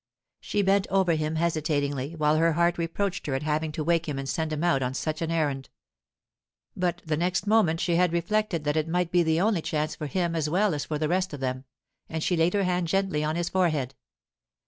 She bent over him hesitatingly, while her heart reproached her at having to wake him and send him out on such an errand. But the next moment she had reflected that it might be the only chance for him as well as for the rest of them, and she laid her hand gently on his forehead.